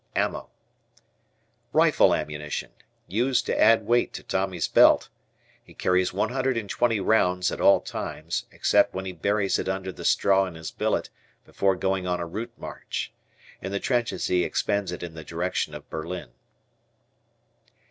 "Ammo." Rifle ammunition. Used to add weight to Tommy's belt. He carries 120 rounds, at all times, except when he buries it under the straw in his billet before going on a route march. In the trenches he expends it in the direction of Berlin.